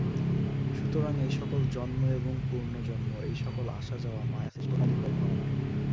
সুতরাং এই-সকল জন্ম এবং পুনর্জন্ম, এই-সকল আসা-যাওয়া মায়াসৃষ্ট অলীক কল্পনা মাত্র।